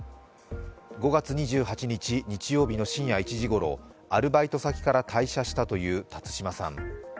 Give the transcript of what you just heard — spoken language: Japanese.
５月２８日日曜日の深夜１時ごろアルバイト先から退社したという辰島さん。